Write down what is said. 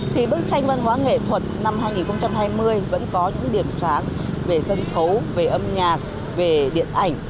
thì bức tranh văn hóa nghệ thuật năm hai nghìn hai mươi vẫn có những điểm sáng về sân khấu về âm nhạc về điện ảnh